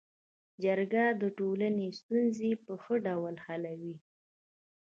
جرګه د ټولني ستونزي په ښه ډول حلوي.